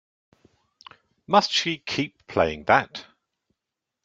Must she keep playing that?